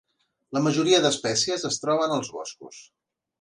La majoria d’espècies es troben als boscos.